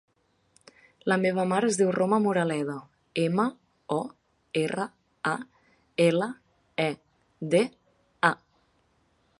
La meva mare es diu Roma Moraleda: ema, o, erra, a, ela, e, de, a.